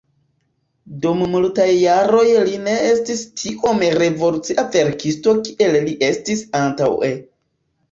Dum multaj jaroj li ne estis tiom revolucia verkisto kiel li estis antaŭe.